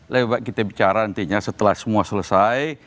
lebih baik kita bicara nantinya setelah semua selesai